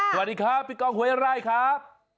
สวัสดีครับพี่ก้องหวยไร่ครับ